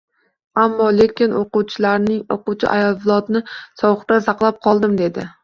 — Ammo-lekin o‘quvchi avlodni sovuqdan saqlab qoldim! — dedi.